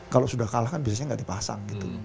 kalau sudah kalah kan biasanya gak dipasang gitu